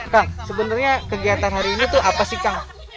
kang sebenarnya kegiatan hari ini tuh apa sih kang